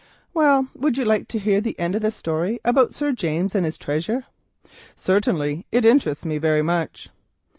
"Well, would you like to hear the end of the story about Sir James and his treasure?" "Certainly; it interests me very much."